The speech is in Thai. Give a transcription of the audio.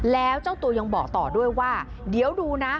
แล้วเจ้าตัวยังบอกต่อด้วยว่าเดี๋ยวดูนะ